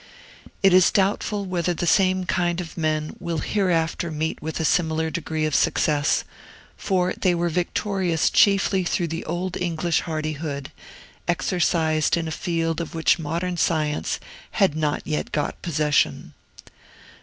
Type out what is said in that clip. It is doubtful whether the same kind of men will hereafter meet with a similar degree of success; for they were victorious chiefly through the old English hardihood, exercised in a field of which modern science had not yet got possession.